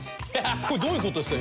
これどういう事ですか？